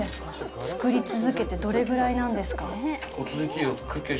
作り続けてどれぐらいなんですか。